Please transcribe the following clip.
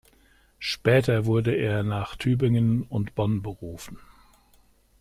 Später wurde er nach Tübingen und Bonn berufen.